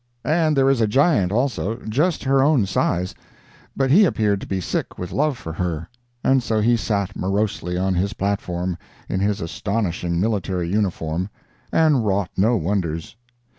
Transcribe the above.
And there is a giant, also, just her own size; but he appeared to be sick with love for her, and so he sat morosely on his platform, in his astonishing military uniform, and wrought no wonders.